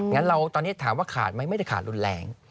งั้นเราตอนนี้ถามว่าขาดไหมไม่ได้ขาดรุนแรง